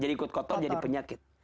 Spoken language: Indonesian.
jadi ikut kotor jadi penyakit